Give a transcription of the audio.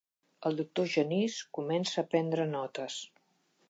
El doctor Genís comença a prendre notes.